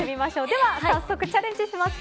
では早速チャレンジします。